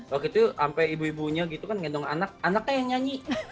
waktu itu sampai ibu ibunya gitu kan ngendong anak anaknya yang nyanyi